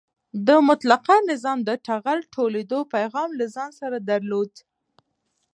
د مطلقه نظام د ټغر ټولېدو پیغام له ځان سره درلود.